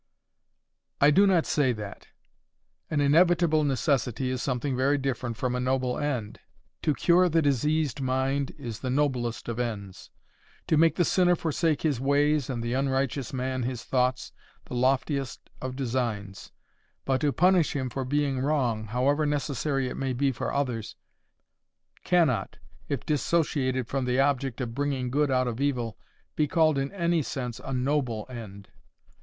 "I do not say that. An inevitable necessity is something very different from a noble end. To cure the diseased mind is the noblest of ends; to make the sinner forsake his ways, and the unrighteous man his thoughts, the loftiest of designs; but to punish him for being wrong, however necessary it may be for others, cannot, if dissociated from the object of bringing good out of evil, be called in any sense a NOBLE end.